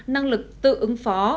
năng lực tự ứng phó